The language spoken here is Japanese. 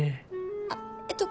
あっえっと